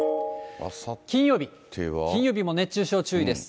金曜日、金曜日も熱中症注意です。